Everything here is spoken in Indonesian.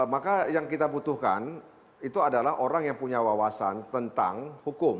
maka yang kita butuhkan itu adalah orang yang punya wawasan tentang hukum